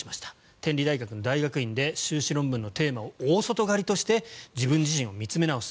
天理大学の大学院で修士論文のテーマを大外刈りとして自分自身を見つめ直す